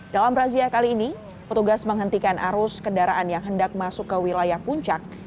dalam razia kali ini petugas menghentikan arus kendaraan yang hendak masuk ke wilayah puncak